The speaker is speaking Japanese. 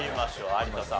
有田さん